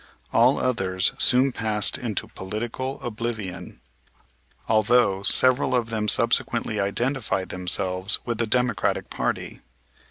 All others soon passed into political oblivion; although several of them subsequently identified themselves with the Democratic party.